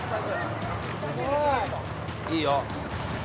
いいよ。